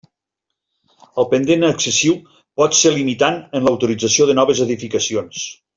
El pendent excessiu pot ser limitant en l'autorització de noves edificacions.